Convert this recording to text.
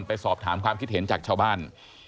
ไปสอบถามความคิดเห็นจากชาวบ้าน